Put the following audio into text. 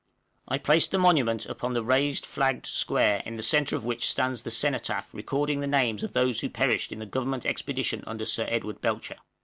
I placed the monument upon the raised flagged square in the centre of which stands the cenotaph recording the names of those who perished in the Government expedition under Sir Edward Belcher.